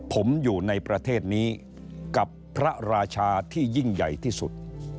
ผมอยู่ในประเทศนี้กับพระราชาที่ยิ่งใหญ่ที่สุด